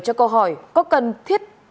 cho câu hỏi có cần thiết